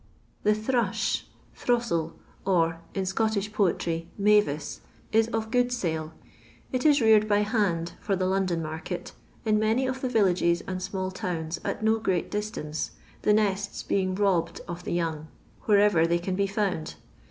The Thrush, Throstle, or (in Scottish poetry) Mavis, is of good sale. It is reared by hand, for the London market, in many of the villages and small towns at no great distance, the nesU being robbed of the young, wherever they con be found.